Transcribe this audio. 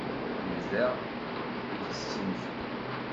Yebda ittett imekli.